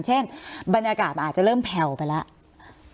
เช่นบรรยากาศมันอาจจะเริ่มแผ่วไปแล้ว